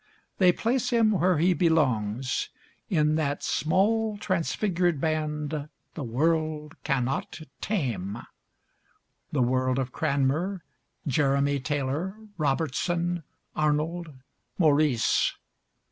They place him where he belongs, in that "small transfigured band the world cannot tame," the world of Cranmer, Jeremy Taylor, Robertson, Arnold, Maurice.